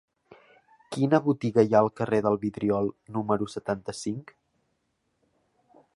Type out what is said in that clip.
Quina botiga hi ha al carrer del Vidriol número setanta-cinc?